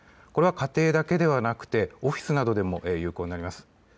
これは家庭だけではなくオフィスなどでも有効になります。